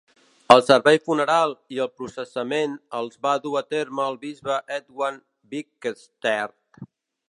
El servei funeral i el processament els va dur a terme el bisbe Edward Bickersteth.